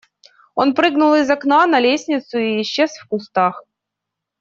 Он прыгнул из окна на лестницу и исчез в кустах.